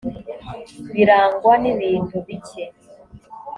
birangwa n’ibintu bike